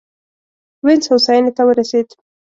وینز هوساینې ته ورسېد.